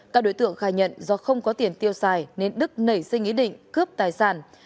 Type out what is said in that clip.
cướp tài sản